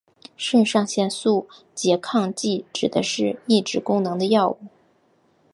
肾上腺素拮抗剂指的是抑制功能的药物。